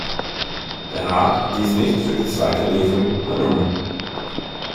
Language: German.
Der Rat hat dies nicht für die zweite Lesung übernommen.